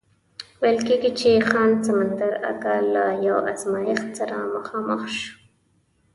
ویل کېږي چې خان سمندر اکا له یو ازمایښت سره مخامخ شو.